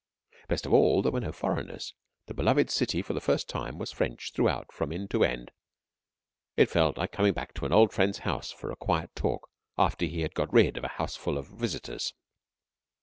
Best of all, there were no foreigners the beloved city for the first time was French throughout from end to end. It felt like coming back to an old friend's house for a quiet talk after he had got rid of a houseful of visitors.